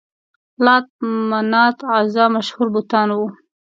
لات، منات، عزا مشهور بتان وو.